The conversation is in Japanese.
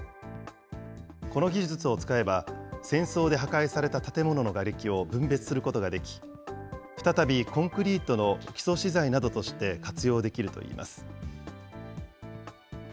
この技術を使えば、戦争で破壊された建物のがれきを分別することができ、再びコンクリートの基礎資材などとして活用できるといいます。